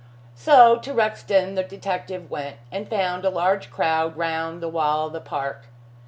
So to Rexton the detective went, and found a large crowd round the wall of the park.